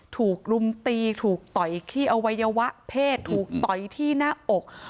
ถูกรุมตีถูกต่อยขี้อวัยวะเพศถูกต่อยที่หน้าอก